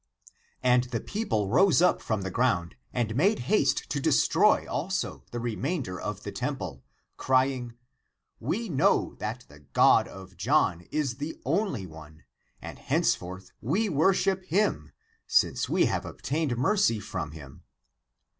And the people rose up from the ground and made haste to destroy also the remainder of the temple, crying, '* We know that the God of John is the only one, and henceforth we worship him, since we have obtained mercy from him."